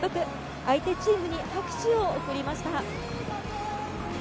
相手チームに拍手を送りました。